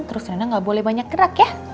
terus rina gak boleh banyak gerak ya